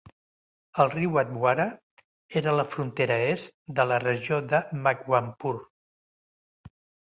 El riu Adhwara era la frontera est de la regió de Makwanpur.